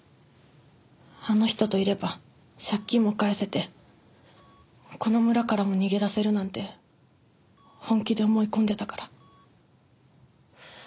あの人といれば借金も返せてこの村からも逃げ出せるなんて本気で思い込んでたから。